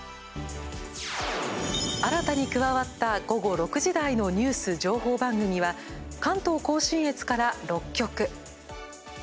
新たに加わった午後６時台のニュース情報番組は関東甲信越から６局。